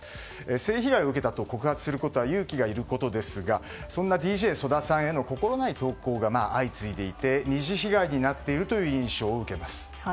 性被害を受けたと告発することは勇気がいることですがそんなＤＪＳＯＤＡさんへの心無い投稿が相次いでいて２次被害になっているという印象を受けます。